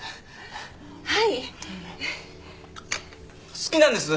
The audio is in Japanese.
好きなんです。